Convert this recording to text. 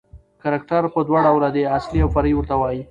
کرکټر په دوه ډوله دئ، اصلي اوفرعي ورته وايي.